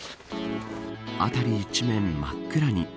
辺り一面、真っ暗に。